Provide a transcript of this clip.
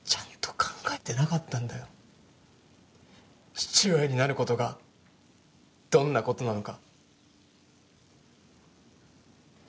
父親になる事がどんな事なのか。